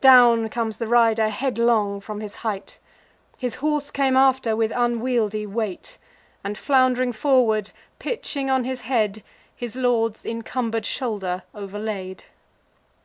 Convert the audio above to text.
Down comes the rider headlong from his height: His horse came after with unwieldy weight, And, flound'ring forward, pitching on his head, His lord's encumber'd shoulder overlaid.